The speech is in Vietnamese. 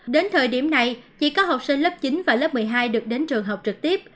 đến thời điểm này chỉ có học sinh lớp chín và lớp một mươi hai được đến trường học trực tiếp